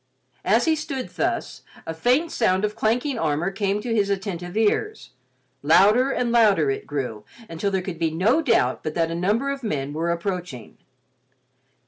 As he stood thus, a faint sound of clanking armor came to his attentive ears; louder and louder it grew until there could be no doubt but that a number of men were approaching.